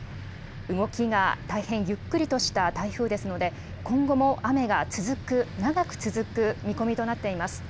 動きが大変ゆっくりとした台風ですので、今後も雨が続く、長く続く見込みとなっています。